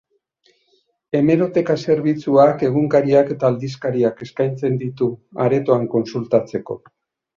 Hemeroteka zerbitzuak egunkariak eta aldizkariak eskaintzen ditu, aretoan kontsultatzeko.